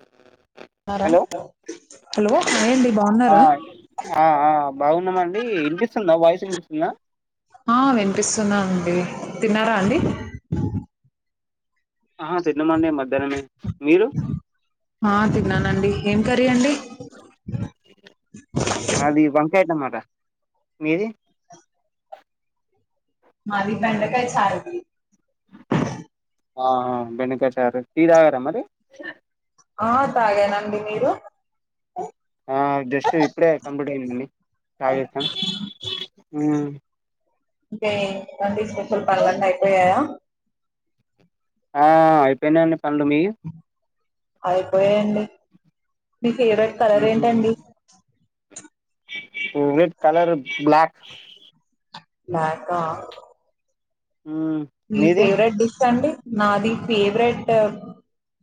అ ఉన్నారా hello hello hi అండి బాగున్నారా ఆ ఆ బాగున్నామండి ఇనిపిస్తుంద వాయిస్ ఇనిపిస్తుందా ఆ వినిపిస్తున్నది అండి తిన్నారా అండి ఆహా తినమండి మధ్యాహ్నమే మీరు ఆ తిన్నానండి ఏం కర్రీ అండి మాది వంకాయ్ టమాట్ ట మీది మాది బెండకాయ చారు ఆహా బెండకాయ్ చారు, టీ తాగర మరి ఆ తాగానండి మీరు ఆ జస్ట్ ఇప్పుడె కంప్లీట్ అయిందండి తాగేస హు గే వన్ ఇప్పుడు పనులన్నీ అయిపోయాయా ఆ అయిపోయినాయండి పనులు మీవి ఐపోయండి మీ ఫేవరెట్ కలర్ ఉహు ఏంటండి ఫేవరెట్ కలర్ బ్లాక్ బ్లాకా ఉమ్ మీ మీది ఫేవరెట్ డిష్ అండి నాది ఫేవరెట్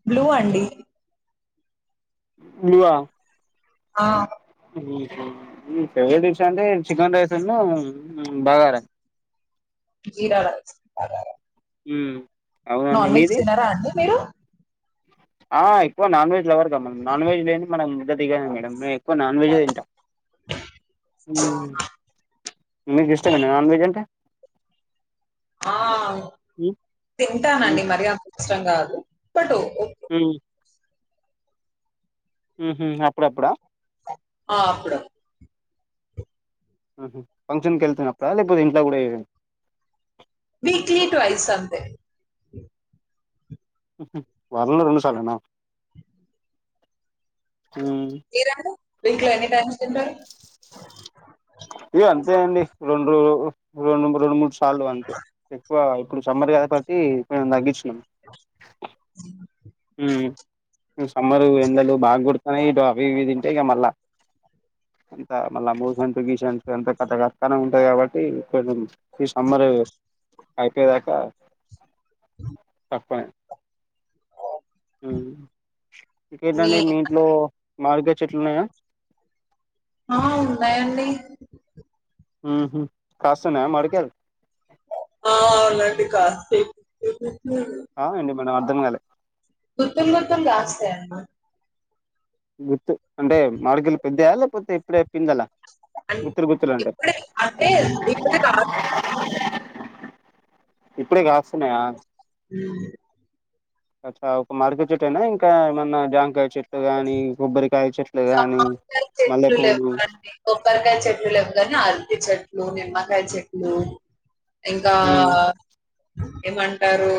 బ్లూ అండి బ్లూ ఆ ఆ ఆహా ఫేవరెట్ డిష్ అంటే చికెన్ రైస్ ను బగారా జీరా రైస్ బాగారా ఉహు నాన్ వెజ్ తినారా అండి మీరు ఆ ఎక్కువ నాన్ వెజ్ లవర్ గా నాన్ వెెజ్ లేని మనకు ముద్ద దిగదు మేడం ఎక్కువ నాన్ వెజ్ తింటా హు మీకు ఇష్టమెన నాన్ వెజ్ అంటే ఆ, తింటానండి మరి అంతా ఇష్టం కాదు బట్ ఓకే. ఉహు ఉహు అప్పుడప్పుడా ఆ అప్పుడు ఆహా ఫంక్షన్ కి వెళ్తున్నప్పుడు లేకపోతే ఇంట్లో కూడా ఏ వీక్లీ ట్వయ్స్ అంతే ఉహు వారంలో రెండుసార్లునే వీరను వీక్లీ ఎన్నిటైమ్స్ తింటరూ ఇగ అంతే అండి రెండు రెండు రెండు మూడు సార్లు అంతే ఎక్కువ ఇప్పుడు సమ్మర్ కాపట్టి కొంచెం తగ్గించ్ [inaudible] హు ఈ సమ్మరు ఎండలు బాగ కోడుతున్నాయి, ఇగ అవి ఇవి తింటే ఇగ మళ్ళ అంత మళ్ళ అ మోషన్స్ గిషన్స్ అంత కథ కాంకారం ఉంటాయి కాబట్టి కొంచెం ఈ సమ్మర్ అయి పోయాక [inaudible] [inaudible] హు ఇంకేంటండి మీ ఇంట్లో మామిడికాయ చెట్లు ఉన్నాయా ఆ ఉన్నాయండి ఉహు కాస్తున్నాయా మామిడికాయలు ఆ అవునండి కాసేపు [inaudible] ఆహా ఏంటి మేడంఅర్ధంకాలె గుత్తుల్ గుత్తుల్ కాస్తయన్న గుత్తు అంటే మాడికాయలు పెద్దయా లేకపోతే ఇప్పుడే పిందలా అంత్ ఇప్పుడే అంటే ఇప్పుడడే కాస్తున్నాయి ఇప్పుడే కాస్త ఊ అచ్చ ఒక మామిడికాయ చెట్టేనా ఇంకా ఏమన్నా జామకాయ చె జామకాయ చెట్లు మల్లెపూలు లేవాలండి కొబ్బరికాయ చెట్లు లేవుగాని అరటి చెట్లు నిమ్మకాయ చెట్లు ఇంకా ఆ ఉమ్ ఏమంటారు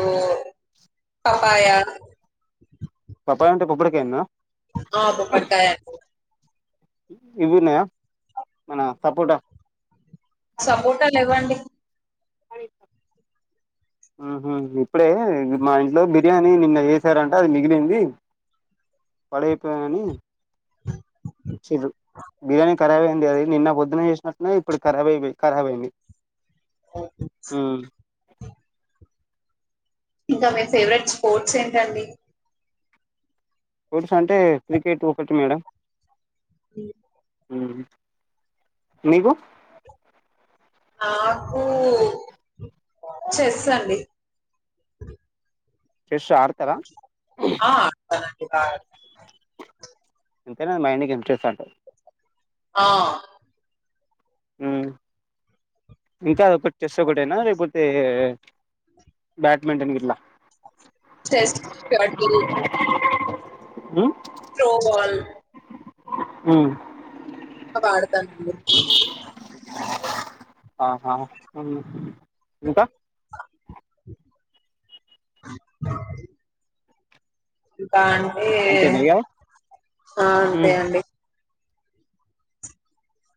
పప్పాయ పాపాయినంటే పోపాడికాయనా ఆ పోపడి కాయండి. ఇవిన్నాయా నా సపోట సపోర్ట లేవండి. ఐ హుహూ ఇప్పుడే మా ఇంట్లో బిర్యానీ నిన్న చేశారంట అది మిగిలింది. పాడై పేయని చిరు బిర్యానీ కారవే అది నిన్న పొద్దున చేసినట్టు ఇప్పుడు కారాబాయైపై కారవైనాయి. హు్ ఇంకా మీ ఫేవరెట్ స్పోర్ట్స్ ఏంటండి. స్పోర్ట్స్ అంటే క్రికెట్ ఒకటి మేడం. దియే హు్ మీగు నాకు ఊ చెస్ అండి. చెష్ ఆడ్తారా తనకి కాద్ ఇంతేనా మైండ్ కి ఎంసే స్టార్టు. ఆ హు మిగతాది ఒకటి చెస్ ఒకటేనా లేకపోతే బ్యాట్మెంటన్ గిట్లా చేస్ట్ స్టాట్ బేరి హు త్రో బోల్ హు ఆడతారు మీరు ఆహా ఇంకా అత్త యూట్టన్ అంతేనా ఇంగా హు అంతే అండి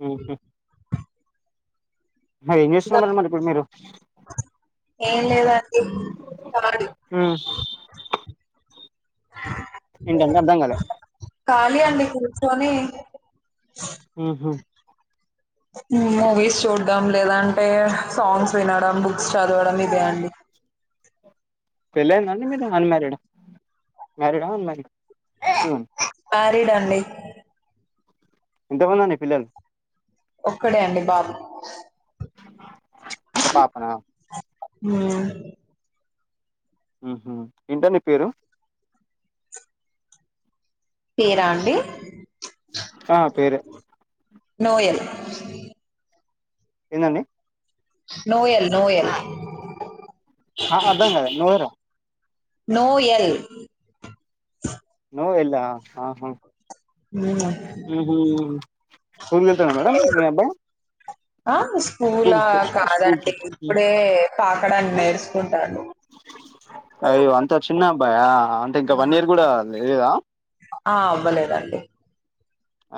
హుహ్ హా ఏం ఇంకా జేసున్నారు మరి ఇప్పుడు మీరు ఏం లేదండి ఖాళీ ఏంటంటే అర్థం కాలే ఖళీ అండి కూర్చొని హుహు్ మూవీస్ చూడం లేదంటే, సాంగ్స్ వినడం, బుక్స్ చదవడం ఇదే అండి. పెళ్ళైందండి. మీరు అన్మారీడా, మ్యారీడా అన్మారీడా ఇగో మ్యారీడ్ అండి. ఎంత పంది అండి, పిల్లల్ ఒక్కడే అండి బాబు ఓ పాపనా హుహ్ హుహ్ ఇంటా నీ పేరు పేరా అండి. ఆ పేరే నోయల్ ఏందండి. నోయల్ నోయల్ ఆహా అర్ధంకాలే నోయరా నోయెల్ నోయల్లా ఆఁ హా మ్మ్ హు స్కూల్ కి వెళ్తడా మేడం మీ అబ్బాయి? ఆ స్కూల్ స్కూలా స్కూల్ స్కూల్కి కాదండి ఇప్పుడే పాకడం నేర్సుకుంటాండు. అయ్యో అంత చిన్న అబ్బాయా అంటే ఇంక వన్ ఇయర్ కూడా లేదా. ఆ అవ్వలేదండి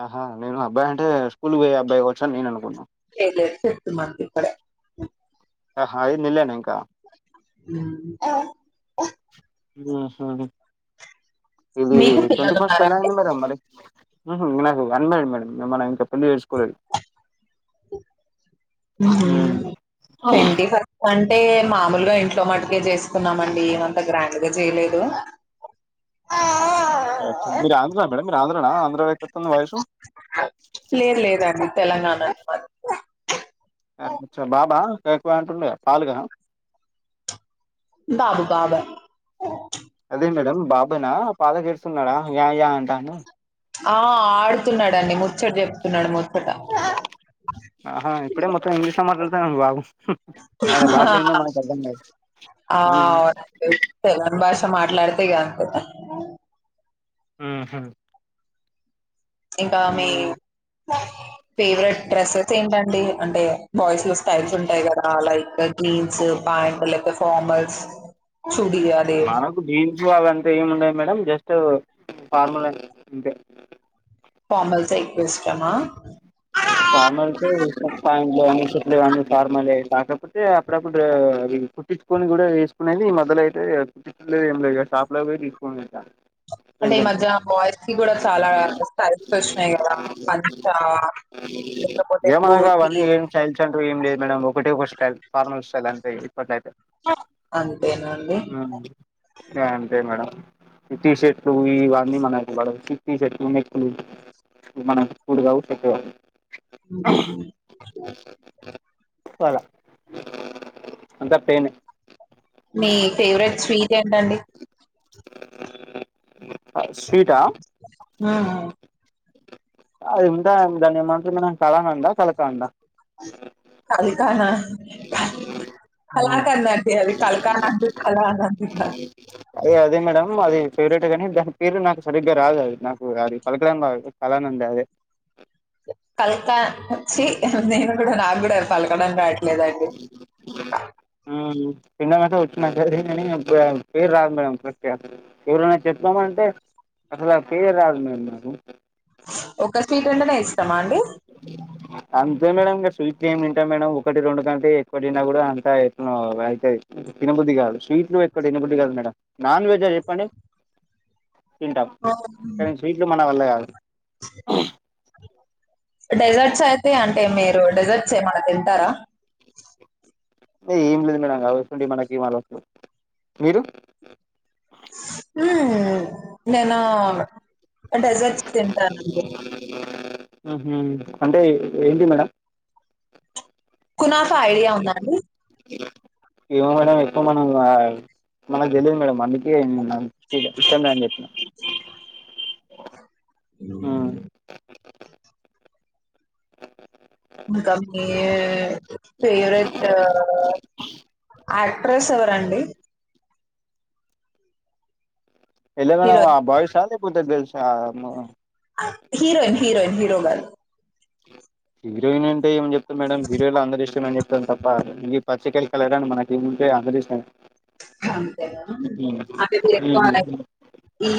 అ హా నేను అబ్బాయి అంటే స్కూల్ పోయే అబ్బాయి కావొచ్చని నేను అనుకున్నా. లేదు లేదు ఫిఫ్త్ మంత్ ఇప్పుడే. హా ఐదు నెల్లేనా ఇంక. హ్మ్ హు ఇది మీకు ట్వంటీ పిల్లలు ఫస్ట్ ఉన్నారా ఎలా అండి అయింది మేడం మరి? హ్మ్ హ్ నాకు అన్మారిడ్ మేడం మనం ఇంక పెళ్ళి చేసుకోలేదు. హ్ముఁ ఉమ్ ట్వంటీ ఫస్ట్ అంటే మామూలుగా ఇంట్లో మటుకే చేసుకున్నామండి అంత గ్రాండ్గా చేయలేదు. పిత్తుందా వాయిసు? లేదు లేదండి తెలంగాణ అచ్చ బాబా కయ్ కుంటుండు గా పాలుగా? బాబు బాబే అదే మేడం బాబేనా పాలకు ఎడుస్తున్నాడా యా యా అంటాండు. ఆ ఆడుతున్నడు అండి ముచ్చట చెప్తున్నడు ము ఆ హాఁ ఇప్పుడే మొత్తం ఇంగ్లీష్ లో మాట్లాడుతన్నడు మీ బాబు. ఆయన భాషేందో మనకు అర్థం గాదు. ఆ తెల్వని భాష మాట్లాడితే ఇగ అంతే. హ్మ్ హు ఇంకా మీ ఫేవరెట్ డ్రెస్సెస్ ఏంటండి, అంటే బాయ్స్ లో స్టైల్స్ ఉంటాయి కదా లైక్ జీన్స్ పాయింట్ లేక్పోతే ఫార్మల్స్. చుడి అది మనకు జీన్సు అదంతా ఏముండద్ మేడం జస్ట్ ఫార్మల్ అంతే. ఫార్మల్సే ఫార్మల్సే ప్యాంట్లు కాని షర్ట్స్ కాని ఫార్మలే కాకపోతే అప్పుడప్పుడు అవి కుట్టిచుకొని కూడా ఏసుకునేది ఈ మధ్యలైతే కుట్టికుచుడు ఏం లేదు గాని, షాప్లకు పోయి తీసుకొని [unintelligible] అంటే ఈ రెడీమేడ్ మధ్య బాయ్స్ కి కూడా చాలా స్టైల్స్ వచ్చినయి కదా! లేకపోతే ఏమో ఇగా ధోతి అవన్నీ ఏం స్టైల్స్ అంటు ఏం లేదు మేడం ఒకటే ఒక స్టైల్ ఫార్మల్స్ స్టైల్ అంతే ఇప్పట్లయితే. అంతేనా అండి హ్మ్ ఇగ అంతే మేడం. ఈ టీషర్ట్లు ఇవన్నీ మనకు పడవ్ టీషర్ట్లు నెక్కులు మనక్ సూట్ కావు సెట్ కావు. పోలా అంతా ప్లెయినే మీ ఫేవరెట్ స్వీట్ ఏంటండి? స్వీటా? ఉమ్ అది ఉంటది దాన్నేంమంటరు మన కలకందా, కలకండా కలికానా కళాఖండ్ అది కళ్కానండి కలానంది కాద్ దే అదే మేడం అది ఫేవరెట్ గానీ దాని పేరు నాకు సరిగ్గా రాదు అది నాకు అది పలకడం రాదు కలానంద్ అదే కల్త వచ్చి నేను కూడా నాగ్గూడా పల్కడ రా ట్లేదండి తిండం అయితే వచ్చు మంచిగ గానీ పేరు రాదు మేడం కరెక్ట్ గా ఎవరెన్నా చెప్తాం అంటే అసలు పేరు రాదు మేడం నాకు. ఒక స్వీటంటనే ఇష్టమా అండి. ఏం తింటా మేడం ఒకటి రెండు కంటే ఎక్వ కూడా అంత ఎట్నో అయితది తిన బుద్ధి కాదు స్వీట్ లు ఎక్కువ తిన బుద్ధి కాదు మేడం నాన్ వెజ చెప్పండి తింటం అవును. కానీ స్వీట్లు మన వల్ల కాదు. డెజర్ట్స్ అయితే అంటే మీరు డెజర్ట్స్ ఏమన్నా తింట్ ంటరా ఏం లేదు మేడం గసొంటివి మనకేం అల్వాటు లేవ్ మీరు. హ్మ్ నేను డెసర్ట్స్ తింటానండి. హ్మ్ హూ అంటే ఏంటియి మేడం కునాఫ ఐడియా ఉందా ఆండి ఇవో మేడం ఎక్కువ మనం ఆయ్ మనకు తెలియదు మేడం అందుకే ఇష్టం లేదని చెప్పిన. ఉమ్. అ ఇంకా మీ ఫేవెట్ ఆక్ట్ ట్రస్ ఎవరండి ఎల్ల మేడం హీరోయిన్. బాయ్స్ లేపోతే గర్ల్స్ ఆ హిరోయిన్ హిరోయిన్ హీరో గాదు. హీరోయిన్ అంటే ఏం జెప్ తమ్ మేడం హీరోలో అందరిష్టం అని చెప్పాను తప్ప పచ్చి కళ కాలరాని మనకు ఏముంటయ్ అందరిష్టమే. అంతే నా అంటే మీరు ఎక్కువగా ఈ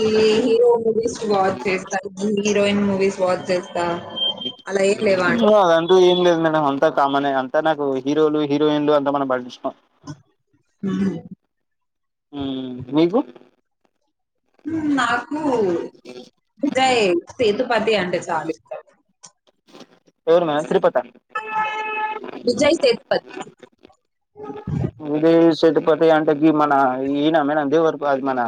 హీరో మూవీస్ వాచ్ చేస్తారు ఈ హీరోయిన్ మూవీస్ వాచ్ చేస్ అదంతా ఏం లేదు అంతా కామనే అంతా నాకు హీరోలు హీరోయిన్లు అంత మన పట్టించుకోం. మ్మ్. హ్మ్ హు మీకు హ్మ్ నాకు విజయ్ సేతుపతి అంటే చాలా ఇష్టం. ఎవరు మేడం తిరుపత విజయ్ సేతుపతి ఇదే సట్పోతే అంటే ఇది మన ఈయన మేడం దే వరకు అది మన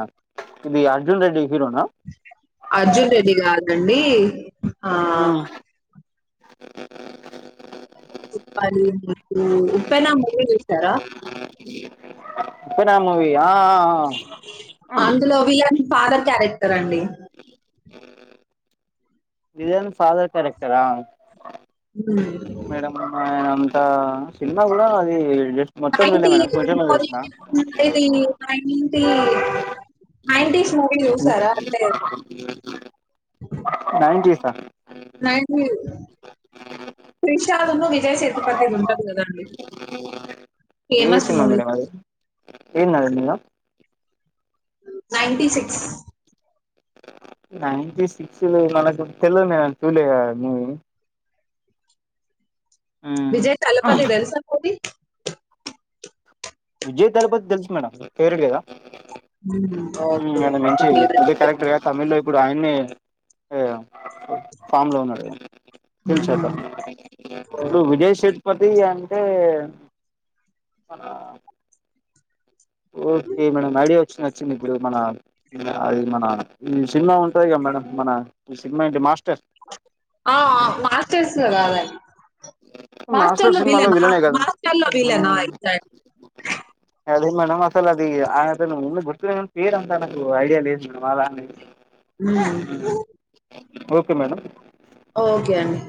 ఇది అర్జున్ రెడ్డి హీరోనా అర్జున్ రెడ్డి కాదండి. ఆ హ్మ్ చెప్పాలండి మీరు ఉప్పెన మూవీ చూసారా. ఉప్పెన మూవీ అ ఆ ఆ అందులో విలన్ ఫాదర్ క్యారెక్టర్ అండి. విలన్ ఫాదర్ కారెక్టరా. మేడం అంతా చిన్న కూడా అది జస్ మొత్తం చూడ్లే నైన్టీ మేడం కొంచెమే చూస్నా. ఇది నైన్టీ నైన్టీస్ మూవీ చూసారా అంటే నైన్టి స్ నైటీ ఇవ్ త్రిషా ఉన్ను విజయ్ సేతుపతి ఉంటది కదండి. ఏ ఫేమస్ సినిమా మూవీ మేడం అది ఏందది madam. Ninety six ninety six లో మనకు తెల్ల చూలే కాదండి. విజయ్ తలపతి తెలుసా పోని. విజయ్ తలపతి తెలుసు మేడం ఫేవరెట్ కదా హ్మ్ ఓకే అది మంచిది ఇదే క్యారెక్టర్ గా తమిళ్ లో ఇప్పుడు ఆయన్నే ఏ ఫామ్ లో ఉన్నాడు కదా తెలిసాక ఇప్పుడు విజయ్ సెట్ పతి అంటే మన ఓకే మేడమ్ ఐడియా వచ్చింది వచ్చింది ఇప్పుడు మన అది మన ఈ సినిమా ఉంటది గా మేడం మన ఈ సినిమా ఏంటి మాస్టర్స్ ఆ ఆ మాస్టర్స్ లో కాదు ఆయన మాస్టర్ లో సినిమాలో విలన్ ఆ విలనే కదా ‌మాస్టర్ లో విలనా హ్మ్. అయితే అదే మేడం అసలు అది ఆయనతో నువ్వున్న గుర్తులేదు పేరు అంత నాకు ఐడియా లేదు మేడం. అలా అనీ హ్మ్ ఓకే మేడం ఓకే అండి